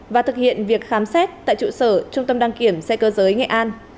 và thực hiện việc khám xét tại trụ sở trung tâm đăng kiểm xe cơ giới nghệ an